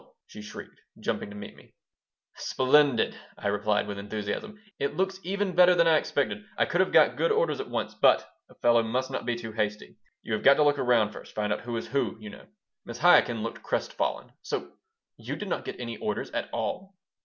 she shrieked, jumping to meet me "Splendid!" I replied, with enthusiasm. "It looks even better than I expected. I could have got good orders at once, but a fellow must not be too hasty. You have got to look around first find out who is who, you know." Mrs. Chaikin looked crestfallen. "So you did not get any orders at all?"